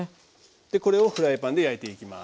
これをフライパンで焼いていきます。